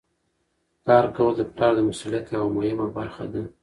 کار کول د پلار د مسؤلیت یوه مهمه برخه ده.